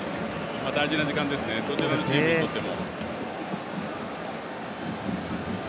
大事な時間ですねどちらのチームにとっても。